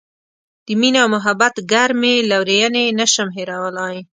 د مینې او محبت ګرمې لورینې یې نه شم هیرولای.